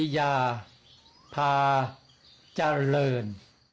ขาเจริญ